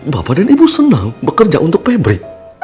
bapak dan ibu senang bekerja untuk pabrik